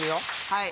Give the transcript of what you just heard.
はい。